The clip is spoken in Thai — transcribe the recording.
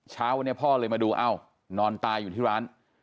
เช้าวันนี้พ่อเลยมาดูเอ้านอนตายอยู่ที่ร้าน